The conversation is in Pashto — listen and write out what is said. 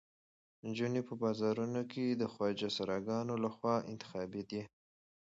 نجونې په بازارونو کې د خواجه سراګانو لخوا انتخابېدې.